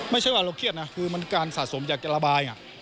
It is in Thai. ไม่ใช่ว่าเราเครียดนะคือมันการสะสมอยากจะระบาย